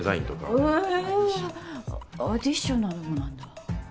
へえアディショナルもなんだ。